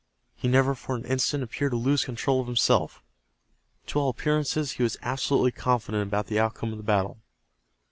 He never for an instant appeared to lose control of himself. To all appearances he was absolutely confident about the outcome of the battle.